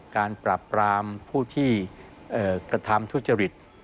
การปรับปรามผู้ที่กระทำทุจริต